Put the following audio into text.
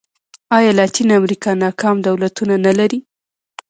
ایا لاتینه امریکا ناکام دولتونه نه لري.